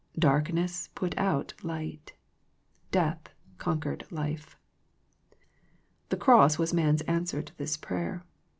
Darkness put out light. Death conquered life. The Cross was man's answer to this prayer.